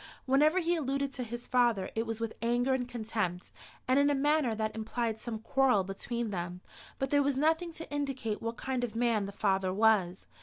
Whenever he alluded to his father, it was with anger and contempt, and in a manner that implied some quarrel between them; but there was nothing to indicate what kind of man the father was.